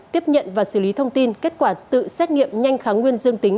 tiếp nhận và xử lý thông tin kết quả tự xét nghiệm nhanh kháng nguyên dương tính